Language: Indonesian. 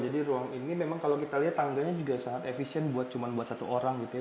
jadi ruang ini memang kalau kita lihat tangganya juga sangat efisien buat cuma satu orang gitu ya